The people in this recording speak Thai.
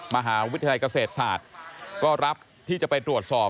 มหาวิทยาลัยเกษตรศาสตร์ก็รับที่จะไปตรวจสอบ